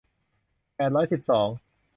แปดร้อยสิบสอง